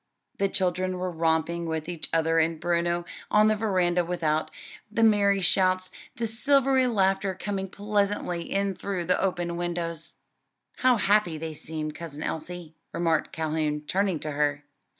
The children were romping with each other and Bruno on the veranda without; the merry shouts, the silvery laughter coming pleasantly in through the open windows. "How happy they seem, Cousin Elsie," remarked Calhoun, turning to her.